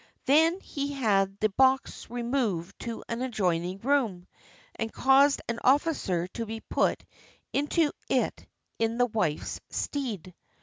Then he had the box removed to an adjoining room, and caused an officer to be put into it in the wife's stead.